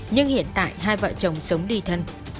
nhưng hiện tại hai vợ chồng sống đi thân